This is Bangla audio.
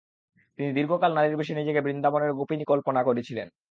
তিনি দীর্ঘকাল নারীর বেশে নিজেকে বৃন্দাবনের গোপিনী কল্পনা করেছিলেন।